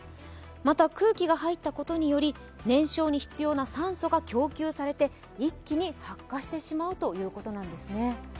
また、空気が入ったことにより、燃焼に必要な酸素が供給されて、一気に発火してしまうということなんですね。